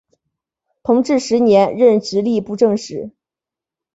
同治十年任直隶布政使。